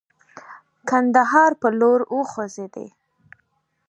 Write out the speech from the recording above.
کندهار پر لور وخوځېدی.